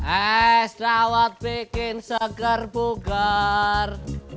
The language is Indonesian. as dawat bikin seger buger